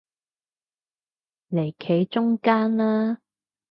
嚟企中間啦